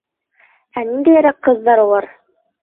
Ә ниндәйерәк ҡыҙҙар улар?